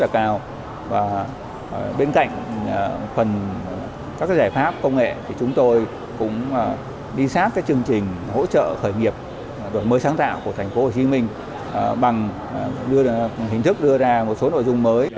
chúng tôi cũng đi sát các chương trình hỗ trợ khởi nghiệp đổi mới sáng tạo của tp hcm bằng hình thức đưa ra một số nội dung mới